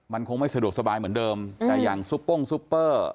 มันคงไม่สะดวกสบายเหมือนเดิมแต่อย่างซุปโป้งซุปเปอร์